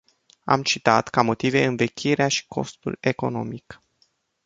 Am citat ca motive învechirea și costul economic.